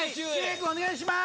君、お願いします。